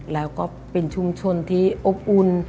แล้วก็เป็นชุมชนที่อบอุ่น